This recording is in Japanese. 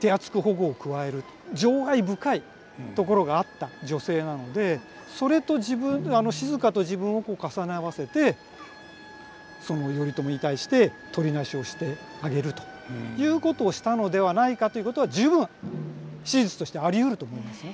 情愛深いところがあった女性なのでそれと自分静と自分を重ね合わせて頼朝に対してとりなしをしてあげるということをしたのではないかということは十分史実としてありうると思いますね。